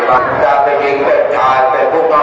เมื่อที่เกิดมาเกิดมาเกิดมาเกิดมา